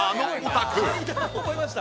「階段覚えました？」